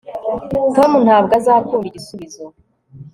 tom ntabwo azakunda igisubizo